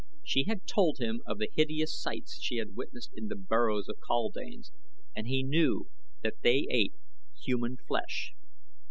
She had told him of the hideous sights she had witnessed in the burrows of the kaldanes and he knew that they ate human flesh.